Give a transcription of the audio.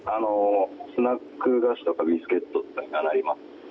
スナック菓子とかビスケットになります。